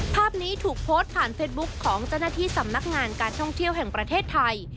ภาพนี้ถูกโพสต์ผ่านเฟซบุ๊คของเจ้าหน้าที่สำนักงานการท่องเที่ยวแห่งประเทศไทย